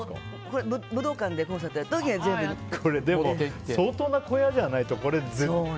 武道館でコンサートやった時には相当な小屋じゃないとね。